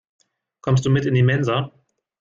Kommst du mit in die Mensa?